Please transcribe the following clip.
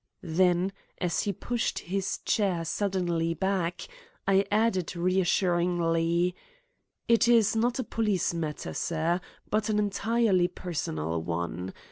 Then, as he pushed his chair suddenly back, I added reassuringly: "It is not a police matter, sir, but an entirely personal one.